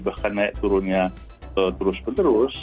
bahkan naik turunnya terus menerus